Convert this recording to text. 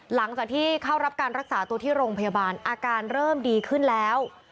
หลังจากที่เข้ารับการรักษาตัวที่โรงพยาบาลอาการเริ่มดีขึ้นแล้ว